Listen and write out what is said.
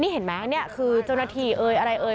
นี่เห็นไหมนี่คือเจ้าหน้าที่เอ่ยอะไรเอ่ย